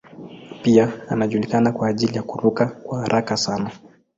Pia anajulikana kwa ajili ya kuruka kwa haraka sana.